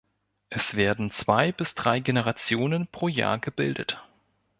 Es werden zwei bis drei Generationen pro Jahr gebildet.